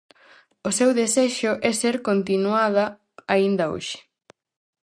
O seu desexo é ser continuada aínda hoxe.